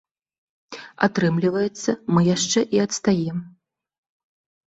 Атрымліваецца, мы яшчэ і адстаем.